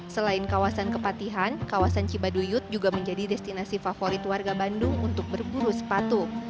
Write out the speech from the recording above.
selain kawasan kepatihan kawasan cibaduyut juga menjadi destinasi favorit warga bandung untuk berburu sepatu